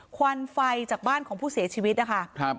ควันไฟจากบ้านของผู้เสียชีวิตนะคะ